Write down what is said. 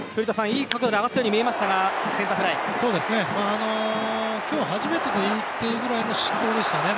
いい角度で上がったように見えましたが今日初めてと言っていいくらいの失投でしたね。